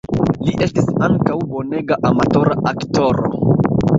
Li estis ankaŭ bonega amatora aktoro.